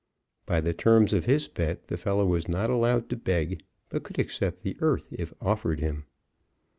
By the terms of his bet, the fellow was not allowed to beg, but could accept the earth, if offered him.